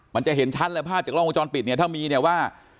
มันจะเห็นชัดเลยภาพจากล้องวงจรปิดเนี่ยถ้ามีเนี่ยว่า